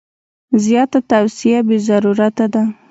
زیاته توصیه بې ضرورته ده.